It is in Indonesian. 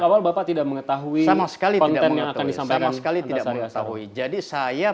awal bapak tidak mengetahui sama sekali kontennya akan disampaikan sekali tidak mengetahui jadi saya